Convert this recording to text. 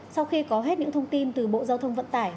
sau khi có hết những thông tin từ bộ giao thông vận tải